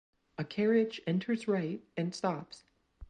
A carriage enters right and stops.